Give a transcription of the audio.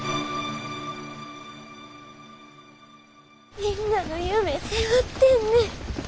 みんなの夢背負ってんねん。